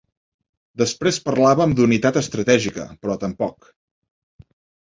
Després parlàvem d’unitat estratègica, però tampoc.